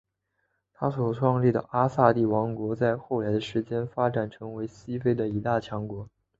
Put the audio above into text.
他所创立的阿散蒂王国在后来的时间里发展成为西非的一大强国。